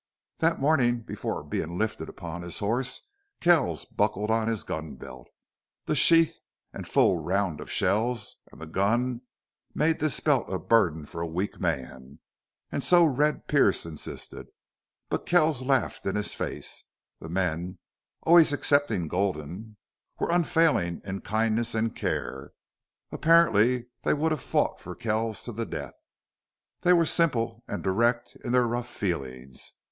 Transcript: That morning, before being lifted upon his horse, Kells buckled on his gun belt. The sheath and full round of shells and the gun made this belt a burden for a weak man. And so Red Pearce insisted. But Kells laughed in his face. The men, always excepting Gulden, were unfailing in kindness and care. Apparently they would have fought for Kells to the death. They were simple and direct in their rough feelings.